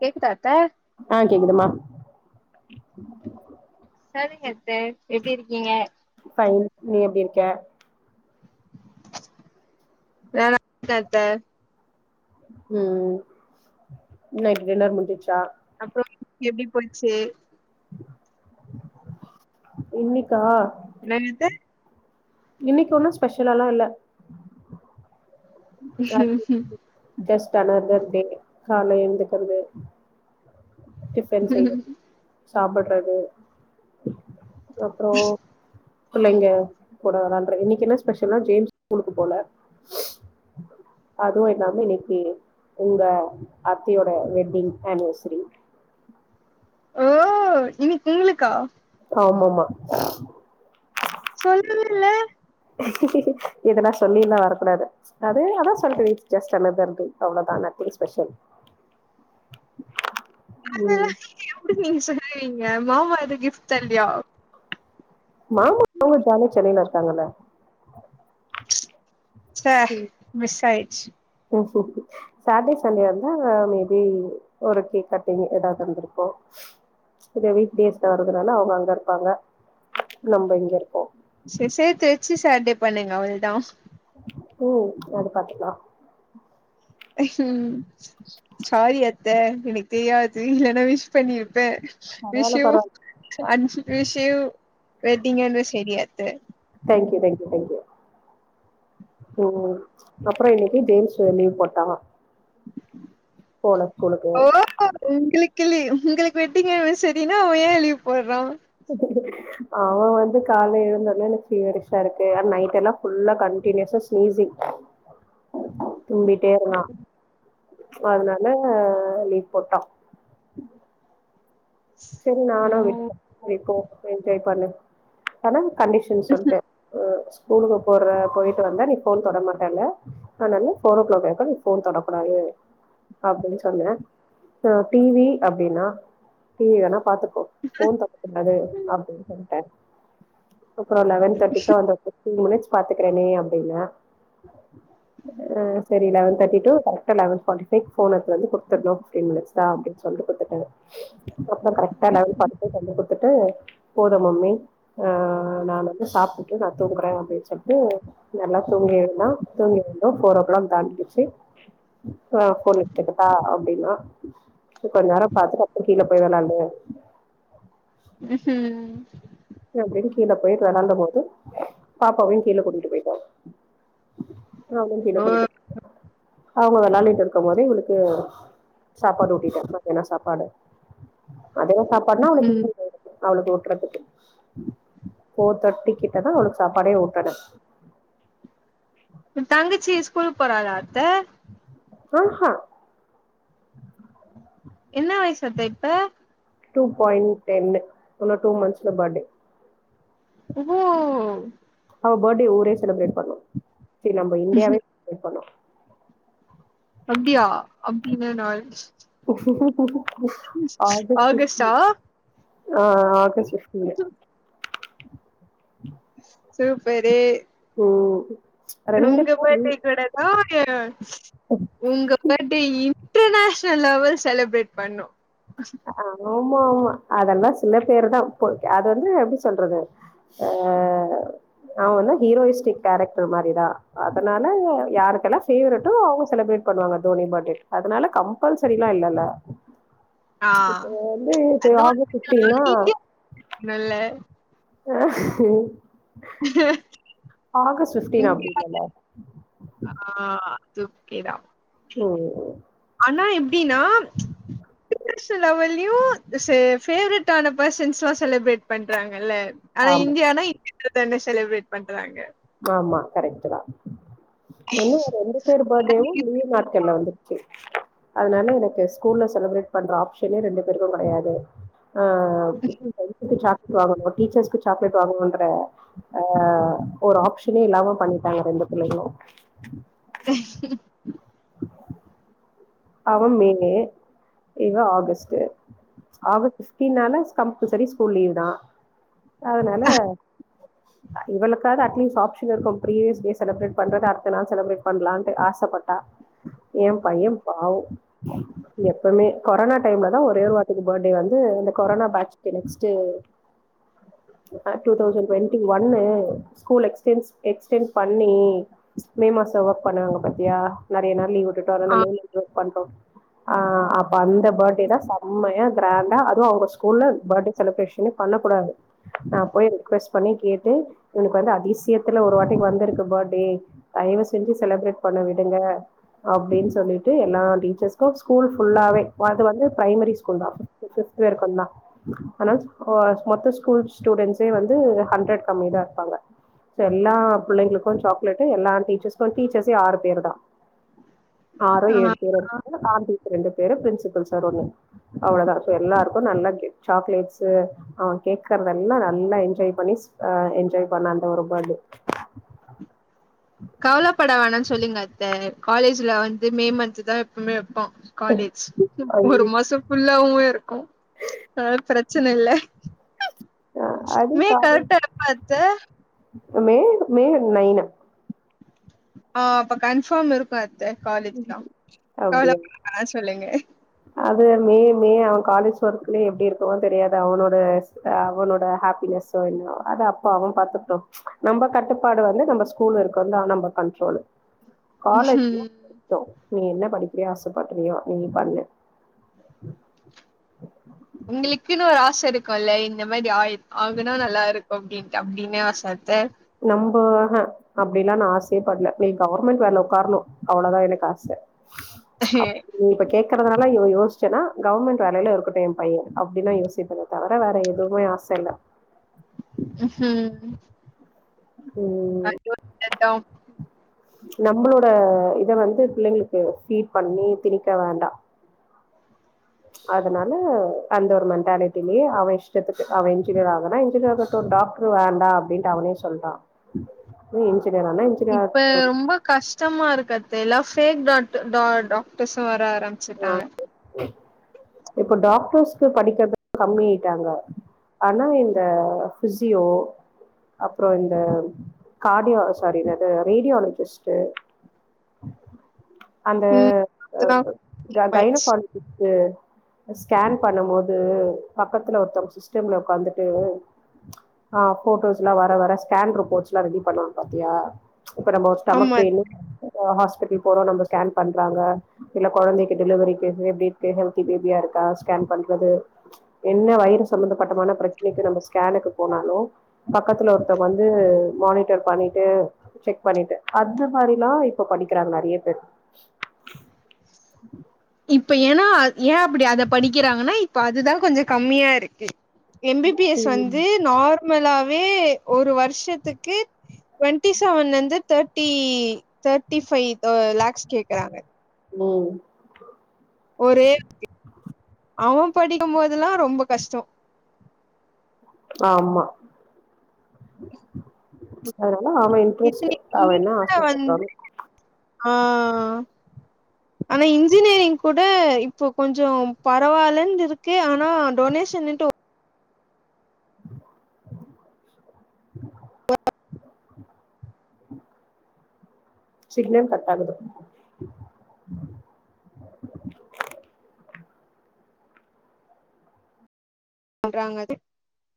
கேக்குதா அத்தா ஆ கேக்குதுமா [inaudible] சரிங்க அத்தா எப்டி இருக்கீங்கே ஃபைன் நீ எப்டி இருக்கே. [unintelligible] அத்தா ம் நைட்டு டின்னர் முடிஞ்சிச்சா. அப்புறம் [unintelligible] போயிச்சு இன்னிக்கா நே இது இன்னிக்கு ஒண்ணு ஸ்பெஷலல்லா இல்ல. [inaudible] ஜஸ்ட் அனதர் டே கால்லா எழுந்துக்கறது. டிஃபன் செய்ய. சாப்படறது அப்புற பிள்ளைங்க போட வண்ற இன்னிக்கு என்ன ஸ்பெஷல் நா ஜேம்ஸ் ஸ்கூலுக்கு போல அதுவும் இல்லாம இன்னிக்கு உங்க அத்தையோட வெட்டிங் அனிவர்சரி. ஓஹோ இன்னிக் உங்களுக்கா ஆமா மா சொல்லவே இல்ல இதெல்லா சொல்லில்லா வரக்கூடாது அது அதா சொல்லி ஜஸ்ட் அனதர் டு அவ்வளதா நத்திங் ஸ்பெஷல். ம் [inaudible] எ மாமா இது கிஃப்ட் தர்ல்லய மாமா அவங்க ஜாலியா சென்னையல இருக்காங்கல்லா. ச்ச மிஸ் ஆய்ச். ஓ சேட்டே சண்டே வந்தா மேபி ஒரு கேக் கட்டிங் எதாதுந்துருக்கும் இது வீக் டேஸா இருக்கறனால அவங்க அங்க இருப்பாங்க நம்ப இங்க இருப்போம். சர் சேத்து வச்சி ஸ் சாட்டே பண்ணுங்க அவ்வள்தா. ம் அது பாத்துக்கலா. ம் சாரி அத் த எனக்கு தெரியாது இல்லன்னா விஷ் பண்ணிரு ப்ப விஷ் பரவால்ல யூ பரவால்ல அண் விஷ் யூ வெட்டிங் அன்வர்சரி அத்த தேங்க்யூ தேங்க்யூ தேங்க்யூ ம் அப்புறோ இன்னக்கி ஜேம்ஸ் வேற லீவ் போட்டா போல ஸ்கூலுக்கு ஆக்சுவலி உங்களுக்கு வெட்டிங் அன்வர்சரின்னா அவ ஏன் லீவ் போடுறா? [unintelligible] அவ வந்து கால்ல எழுந்ததிலேர்ந்து ஃபீவரிஸா இருக்கு அது நைட் எல்லா ஃபுல்லா கண்டியூஸா ஸ்னீசிங் தும்மிட்டே இருந்தா அதனால ஆ லீவ் போட்டா செரி ஓ! நானு விட்டுட்டே லீவ் போட்டு என்ஜாய் பண்ணட்டு ஆனா கண்டிஷன் சொல்ட்டே ஆ ஸ்கூலுக்கு போற போயிட்டு வந்தா நீ ஃபோன் தொட மாட்டல்ல அதனால ஃபோர் ஓ கிளாக் வரைக்கு நீ ஃபோன் தொடக்கூடாது அப்டின்னு சொன்னே ஆ டி வி அப்டின்னா டி வி வேண்ணா பாத்து க்கோ ஃபோன் தொடக்கூடாது அப்டின்னு சொல்ட்டே அப்றோ லெவன் தேர்டிக்கு வந்துட்டு ஃபிஃப்ட்டீன் மினிட்ஸ் பாத்துக்கறனே அப்டின்னா ஆ செரி லெவன் தேர்ட்டி டு கரெக்டா லெவன் ஃபார்ட்டி ஃபைவ்க்கு ஃபோன் எடுத்து வந்து குடுத்தர்னு ஃபிஃப்டீன் மினிட்ஸ்தா அப்டின்னு சொல்லி குடுத்துட்டு வந்தே அப்றோ கரெக்டா லெவன் ஃபார்ட்டி ஃபைவ்க்கு வந்து குடுத்துட்டு போது மம்மி ஆ நா வந்து சாப்டுட்டு நா தூங்குறே அப்டின்னு சொல்ட்டு நல்லா தூங்கி எழுந்தா தூங்கி எழுந்தது ஃபோர் ஓ கிளாக் தாண்டிடுச்சு ஆ ஃபோன் எடுத்துக்கிட்டா அப்டின்னா செரி கொஞ்ச நேரோ பாத்துட்டு அப்றோ கீழ போகலாண்டு உஹம் அப்டின்னு கீழ போயிட்டு வெளாண்ட போது பாப்பாவையு கீழ கூட்டிட்டு போயிட்டோ அவனயு கீழ ஓ! கூட்டிட்டு அவங்க வெளாண்டுட்டு இருக்கும் போது இவுளுக்கு சாப்பாடு ஊட்டிட்டே [unintelligible] வேணா சாப்பாடு கதம்ப சாப்பாடுனா அவனுக்கு ம். இருமல் போயிடுச்சு அவளுக்கு ஊட்றதுக்கு ஃபோர் தர்ட்டி கிட்டதா அவளுக்கு சாப்பாடே ஊட்டறே இப்ப தங்கச்சி ஸ்கூலுக்கு போறாளா த்த ஆஹா என்ன வயசு அத்த இப்ப? டூ பாய்ண்ட் டென்னு இன்னு டூ மந்த்ஸ்ல பர்த்டே ஒவ்வோ அவ பர்த்டே ஊரே செலிப்ரேட் பண்ணு ச்சே நம்ம இண்டியாவே செலிபிரேட் பண்ணு அப்டியா அப்டி என்ன நாள்? [unintelligible] ஆகஸ்ட் ஃபிஃப்டீன் ஆகஸ்டா? ஆ ஆகஸ்ட் ஃபிஃப்ட்டீனு சூப்பரு ம் ரெண்டு உங்க பேரு பர்த்டே கூடதா இது உங்க birthday international level celebrate பண்ணு [unintelligible] ஆமா ஆமா அதெல்லா சில பேருதா இப்போதக்கி அது வந்து எப்டி சொல்றது ஆ அவங்க வந்து ஹீரோயிஸ்டிக் கேரக்டர் மாரிதா அதனால யாருக்கெல்லா ஃபேவரட்டோ அவங்க செலிப்ரேட் பண்ணுவாங்க தோனி பர்த்டே அதனால கம்பல்சரி எல்லா இல்லல்ல ஆ இப்ப வந்து இப்ப அது ஒரு ஆகஸ்ட் நானு ஃபிஃப்ட்டீன்னா இந்தியா இல்ல. ஆஹ உம் [unintelligible] ஆகஸ்ட் ஃபிஃப்டீன் இந் அப்டி இல்லல்ல ஆ து ஓகேதா ம் ஆனா எப்டின்னா இண்டர்நேஷனல் லெவல்லயு இது செ ஃபேஃவரைட்டான பெர்சன்ஸ்லா செலப்ரேட் பண்றாங் கல்ல ஆனா ஆமா, இந்தியானா இங்க மட்டுந்தான செலப்ரேட் பண்றாங்க ஆமா கரெக்ட்டுதா என்ன ரெண்டு பேரு பர்த்டேவு லீவ் நாட்கள்ல வந்துருச்சு அதனால எனக்கு ஸ்கூல்ல செலிப்ரேட் பண்ற ஆப்ஷனே ரெண்டு பேருக்கு கெடையாது ஆ ஃபிரெண்ட்ஸுக்கு சாக் வாங்கணு டீச்சர்ஸ்க்கு சாக்லேட் வாங்கணுன்ற ஆ ஒரு ஆப்ஷனே இல்லாம பண்ணிட்டாங்க ரெண்டு பிள்ளைகளு [unintelligible] அவ மே இவ ஆகஸ்ட்டு ஆகஸ்ட் ஃபிஃப்டின்னால கம்பல்சரி ஸ்கூல் லீவ்தா அதனால இவளுக்காது அட்லீஸ்ட் ஆப்ஷன் இருக்கு ப்ரிவியஸ் டே செலிப்ரேட் பண்றது அடுத்த நாள் செலப்ரேட் பண்லான்ட்டு ஆசப்பட்டா ஏன் பைய பாவோ எப்பமே கோரோனா டைம்லதா ஒரே ஒருவாட்டிக்கு பர்த்டே வந்து இந்த கொரோனா பேட்ச்க்கு நெக்ஸ்ட்டு ஆ டூ தவுசண்ட் டொண்ட்டி ஒன்னு ஸ்கூல் எக்ஸ்ட்ன்ஸ் எக்ஸ்டண்ட் பண்ணி மே மாசோ ஒர்க் பண்ணாங்க பாத்தியா நெறைய நாள் லீவ் உட் டுட்டு ஆ அதோட மேல இது பண்றோ ஆ அப்ப அந்த பர்த்டேதா செமயா கிராண்டா அதுவு அவுங்க ஸ்கூல்ல பர்த்டே செலிப்ரேஷனே பண்ணக்கூடாது. நா போய் ரெக்வஸ்ட் பண்ணி கேட்டு இவனுக்கு வந்து அதிசயத்துல ஒருவாட்டி வந்துருக்கு பர்த்டே தயவு செஞ்சு செலப்ரேட் பண்ண விடுங்க அப்டின் சொல்லி ட்டு எல்லா டீச்சர்ஸ்க்கு ஸ்கூல் ஃபுல்லாவே அது வந்து ப்ரைமரி ஸ்கூல்தா ஃபிஃப்த் ஃபிஃப்த்து வரைக்குந்தா அதனால ஆ மொத்த ஸ்கூல் ஸ்டூடண்ட்ஸே வந்து ஹண்ட்ரெட்க்கு கம்மிதா இருப்பாங்க சோ எல்லா பிள்ளைங்களுக்கு சாக்லேட்டு எல்லா டீச்சர்ஸ்க்கு டீச்சர்ஸே ஆறு பேர்தா ஆறோ ஆ ஏழு பேரோ இருபங்க [unintelligible] ரெண்டு பேரு பிரின்சிபல் சேர் ஒன்னு அவ்ளதா சோ எல்லாருக்கு நல்லா கிவ் சாக்லேட்ஸு அவே கேக்குறதெல்லா நல்லா என்ஜாய் பண்ணி ஆ என்ஜாய் பண்ணா அந்த ஒரு பேர்டே கவலப்பட வேணா சொல்லுங்க அத்த காலேஜ்ல வந்து மே மன்த்துதா எப்புமே வெப்போ காலேஜ் ஒரு மாசோ ஃபுல்லாவு போயிருக்கு அது பிரச்சன இல்ல அது மே காலேஜ் கரெக்டா எப்ப அத்த மே மே நைனா ஆ அப்ப கன்ஃபாம் இருக்கு அத்த காலேஜ் தா அப்டியா கவலபட வேனா சொல்லுங்க அது மே மே அவே காலேஜ் ஒர்க்லயே எப்டி இருக்குமோனு தெரியாது அவனோட அவனோட ஹாப்பினஸ்ஸோ என்னோ அது அப்ப அவே பாத்துக்ட்டோ ச் நம்ம கட்டுப்பாடு வந்து நம்ம ஸ்கூல் வரைக்குந்தா நம்ம கண்ட்ரோலு காலேஜ் ம் [inaudible] நீ என்ன படிக்ரியோ ஆசப்பட்றியோ நீ பண்ணு [unintelligible] உங்களுக்குனு ஒரு ஆச இருக்குல்ல இந்த மாரி ஆயி ஆகுனா நல்லா இரு அப்டின்ட்டு அப்டின்ன ஆச அத்த நம்ப ஆஹ அப்டிலா நா ஆசயே பட்ல நீ கவர்மெண்ட் வேல உக்காரணு அவ்ளதா எனக்கு ஆச அ ஹே கிறதுனால யோ யோச்சேனா கவர்மெண்ட் வேலைல இருக்கட்டு எ பைய்யே அப்டினா யோசிப்பனே தவிர வேற எதுமே ஆச இல்ல உ ஹு அ [unintelligible] டவுன் ம் நம்மளோட இத வந்து பிள்ளைங்களுக்கு ஃபீட் பண்ணி திணிக்க வேண்டா அதனால அந்த ஒரு மென்டாலிட்டிலயே அவே இஷ்டத்துக்கு அவ இன்ஜினியர் ஆகுனா இன்ஜினியர் ஆகட்டு டாக்டர் வேண்டா அப்டின்னுட்டு அவனே சொல்டா உ இப்ப ரொம்ப கஷ்டமா இருக்கு அது இப்ப எல்லா ஃபேக் டாக்டு டா டாக்ட்டெஸ்ஸு வர ஆரம்பிச்சுட்டாங்க [unintelligible] இப்ப டாக்டர்ஸ்க்கு படிக்றத கம்மிஆய்ட்டாங்க ஆனா இந்த ஃபிசியோ அப்றோ இந்த கார்டிடோ சாரி அதனது ரேடியாலஜிஸ்ட்டு அந்த ம் அதெல்லா அ ஆயிடுச்சு கைனகால [unintelligible] ஓ அ ஸ்கேன் பண்ணு போது பக்கத்துல ஒருத்தவங்க சிஸ்டம்ல உக்காந்துட்டு ஆ ஃபோட்டோஸ்ல்லா வர வர ஸ்கேன் ரிப்போர்ட்ஸ்ல்லா ரெடி பண்ணவாங்க பாத்தியா இப்ப நம்ம ஸ்டொமக் ஆமா பெயின்னு அ ஹாஸ் இப்டி போறோ நம்ம ஸ்கேன் பண்றாங்க இல்ல கொழைந்தைக்கு டெலிவரி [unintelligible] எப்டி இருக்கு ஹெல் தி பேபியா இருக்கா ஸ்கேன் பண்றது என்ன வைரு சம்பந்தப்பட்டமான பிரச்சனைக்கு நம்ம ஸ்கேனுக்கு போனாலு பக்கத்துல ஒருத்தங்க வந்து மானிட்டர் பண்ணிட்டு செக் பண்ணிட்டு அந்த மாரில்லா இப்ப படிக்கிறாங்க நெறைய பேர் இப் இப்ப ஏனா ஏ அப்டி அத படிக்கிறாங்கனா இப்ப அதுதா கொஞ்சோ கம்மியாருக்கு எம் பி பி எஸ் ம் வந்து நார் மலாவே ஒரு வருஷத்துக்கு டுவெண்ட்டி செவன்லந்து தேர்ட்டி தேர்டி ஃபைவ் லேக்ஸ் கேக்கறாங்க ம் ஒரே இருக்கு அவ படிக்கும்போதெல்லா ரொம்ப கஷ்ட ஆமா [unintelligible] உப்புசார லா அவ இன்ட்ரெஸ்ட் இத்தனைக்கு அவ என்ன நீட்ல வந்து ஆசபட்டானோ ஆ ஆனா இன்ஜினியரிங் கூட இப்போ கொஞ்ச பரவாயில்லன்னு இருக்கு ஆனா டொனேஷன்னுட்டு ம் [inaudible] சிக்னல் கட் ஆகுது சொல்றாங்கஅது